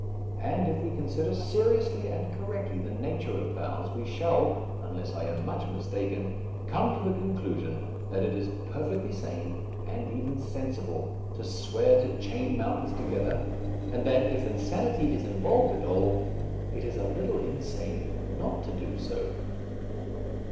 And if we con sider seriously and correctly the nature of vows, we shall, unless I am much mistaken, A Defence of Rash Vows come to the conclusion that it is perfectly sane, and even sensible, to swear to chain mountains together, and that, if insanity is in volved at all, it is a little insane not to do so.